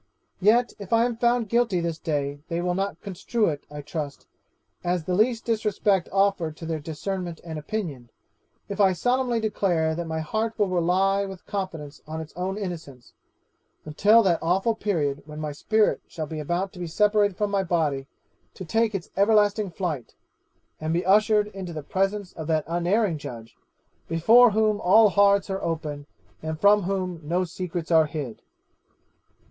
'Yet, if I am found guilty this day, they will not construe it, I trust, as the least disrespect offered to their discernment and opinion, if I solemnly declare that my heart will rely with confidence in its own innocence, until that awful period when my spirit shall be about to be separated from my body to take its everlasting flight, and be ushered into the presence of that unerring Judge, before whom all hearts are open and from whom no secrets are hid.